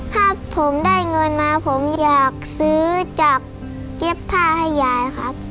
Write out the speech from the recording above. ถ้าผมได้เงินมาผมอยากซื้อจากเก็บผ้าให้ยายครับ